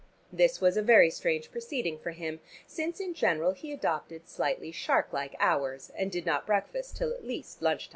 This was a very strange proceeding for him, since in general he adopted slightly shark like hours and did not breakfast till at least lunch time.